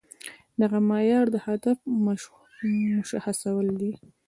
دغه معيار د هدف مشخصول دي.